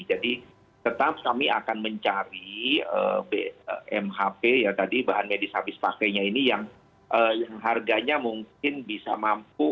jadi tetap kami akan mencari mhp ya tadi bahan medis habis pakainya ini yang harganya mungkin bisa mampu